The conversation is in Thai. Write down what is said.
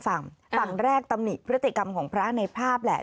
ฝั่งฝั่งแรกตำหนิพฤติกรรมของพระในภาพแหละ